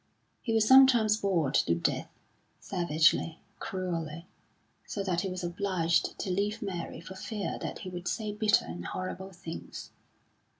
He was sometimes bored to death, savagely, cruelly; so that he was obliged to leave Mary for fear that he would say bitter and horrible things.